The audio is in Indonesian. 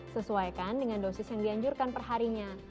sesuaikan dengan dosis yang dianjurkan perharinya